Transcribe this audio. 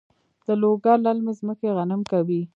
د لوګر للمي ځمکې غنم کوي؟